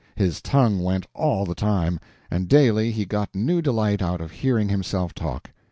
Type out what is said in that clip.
His tongue went all the time, and daily he got new delight out of hearing himself talk.